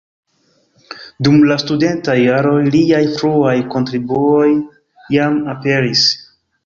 Dum la studentaj jaroj liaj fruaj kontribuoj jam aperis.